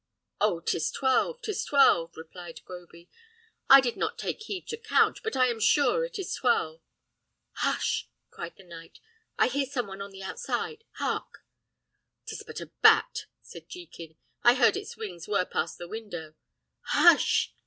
"Oh, 'tis twelve, 'tis twelve!" replied Groby; "I did not take heed to count, but I am sure it is twelve." "Hush!" cried the knight; "I hear some one on the outside. Hark!" "'Tis but a bat," said Jekin; "I heard its wings whirr past the window." "Hush!"